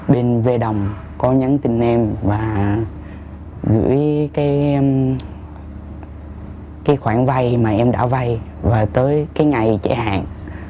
bên vđ có nhắn tin em và gửi cái khoản vây mà em đã vây và tới cái ngày chế hạn